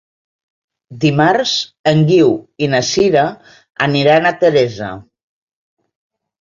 Dimarts en Guiu i na Sira aniran a Teresa.